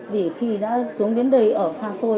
vì khi đã xuống đến đây ở xa xôi